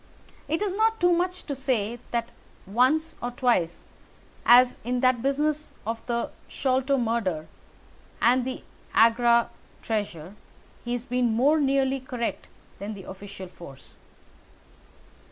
It is not too much to say that once or twice, as in that business of the Sholto murder and the Agra treasure, he has been more nearly correct than the official force."